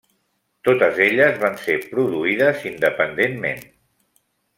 Totes elles van ser produïdes independentment.